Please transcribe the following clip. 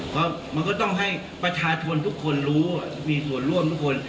เพราะมันก็ต้องให้ประชาชนทุกคนรู้มีส่วนร่วมทุกคน